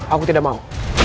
aku tidak mau